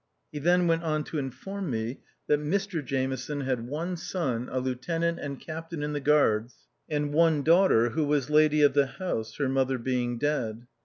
He then went on to inform me that Mr Jameson had one son, a lieutenant and captain in the Guards, and one daughter, who was lady of the house, her mother being dead.